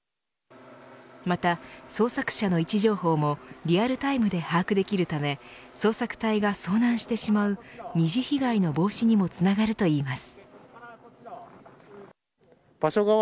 また捜索者の位置情報もリアルタイムで把握できるため捜索隊が遭難してしまう二次被害の防止にもつながるといいます。